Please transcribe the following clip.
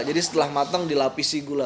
jadi setelah matang dilapisi gula